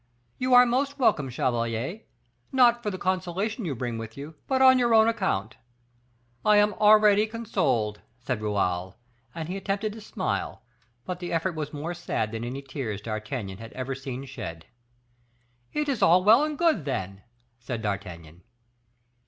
"You are most welcome, chevalier; not for the consolation you bring with you, but on your own account. I am already consoled," said Raoul; and he attempted to smile, but the effort was more sad than any tears D'Artagnan had ever seen shed. "That is all well and good, then," said D'Artagnan.